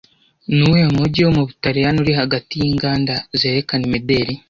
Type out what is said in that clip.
Ni uwuhe mujyi wo mu Butaliyani uri hagati y’inganda zerekana imideli